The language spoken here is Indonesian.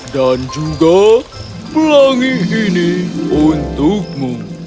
dan juga pelangi ini untukmu